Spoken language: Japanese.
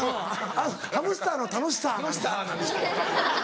あっハムスターの楽しさなのか。